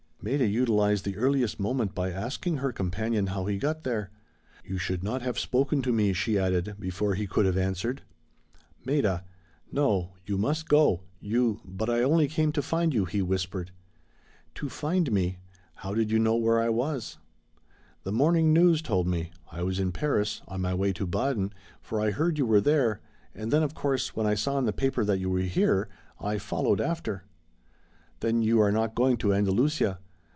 Maida utilized the earliest moment by asking her companion how he got there. "You should not have spoken to me," she added, before he could have answered. "Maida!" "No, you must go, you " "But I only came to find you," he whispered. "To find me? How did you know where I was?" "The Morning News told me. I was in Paris, on my way to Baden, for I heard you were there, and then, of course, when I saw in the paper that you were here, I followed after." "Then you are not going to Andalucia?"